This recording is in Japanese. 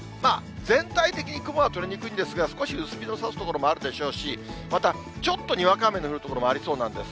全体的に雲は取れにくいんですが、少し薄日のさす所もあるでしょうし、また、ちょっとにわか雨の降る所もありそうなんです。